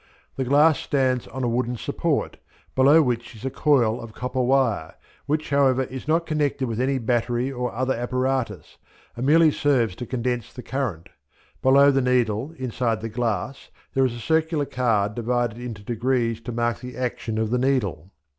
The glass stands on a wooden support, below which is a coil of copper wire, which, however, is not connected with any battery or other apparatus, and merely serves to condense the current. Below the needle, inside the glass, there is a circular card divided into degrees to mark the action of the needle.